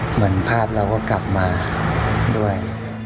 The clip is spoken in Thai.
เหมือนภาพเราก็กลับมาด้วย